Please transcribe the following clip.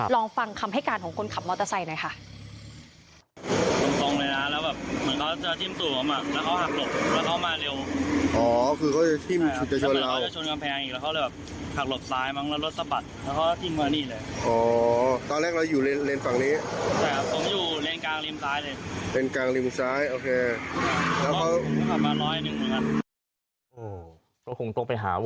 ลองฟังคำให้การของคนขับมอเตอร์ไซค์หน่อยค่ะ